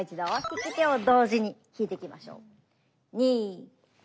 引き手を同時に引いていきましょう。